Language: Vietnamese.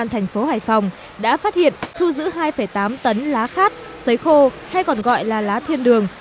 hải phòng đã phát hiện thu giữ hai tám tấn lá khát sấy khô hay còn gọi là lá thiên đường